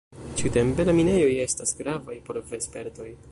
Ĉi-tempe la minejoj estas gravaj por vespertoj.